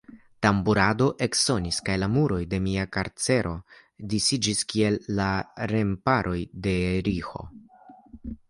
Tamburado eksonis, kaj la muroj de mia karcero disiĝis, kiel la remparoj de Jeriĥo.